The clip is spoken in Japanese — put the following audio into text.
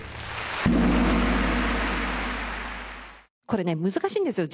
これね難しいんですよ。